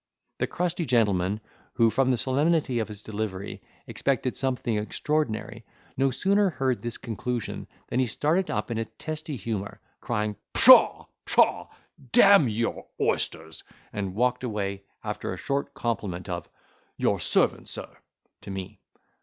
The crusty gentleman, who, from the solemnity of his delivery, expected something extraordinary, no sooner heard his conclusion, than he started up in a testy humour, crying, "Pshaw, pshaw! D—n your oysters!" and walked away, after a short compliment of, "Your servant sir," to me.